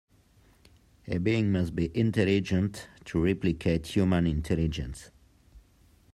A being must be intelligent, to replicate human intelligence.